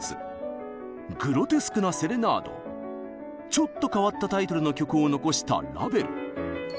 ちょっと変わったタイトルの曲を残したラヴェル。